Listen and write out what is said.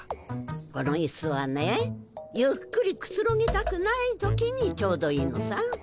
このイスはねゆっくりくつろぎたくない時にちょうどいいのさ。